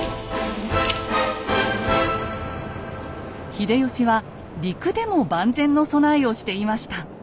秀吉は陸でも万全の備えをしていました。